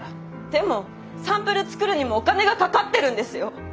でもサンプル作るにもお金がかかってるんですよ？